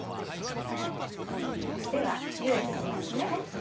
ではゆでて行きますね。